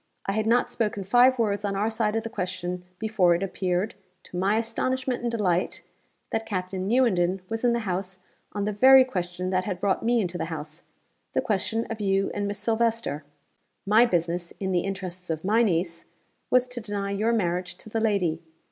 I had not spoken five words on our side of the question before it appeared, to my astonishment and delight, that Captain Newenden was in the house on the very question that had brought me into the house the question of you and Miss Silvester. My business, in the interests of my niece, was to deny your marriage to the lady.